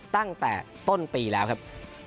ตั้งแต่ต้นปีแล้วครับ